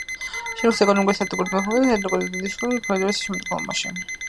შედის ეკონომიკურ-სტატისტიკურ მიკრორეგიონ ენტორნუ-დუ-დისტრიტუ-ფედერალის შემადგენლობაში.